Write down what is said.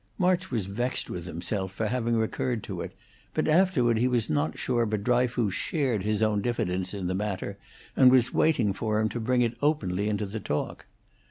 March was vexed with himself for having recurred to it; but afterward he was not sure but Dryfoos shared his own diffidence in the matter, and was waiting for him to bring it openly into the talk.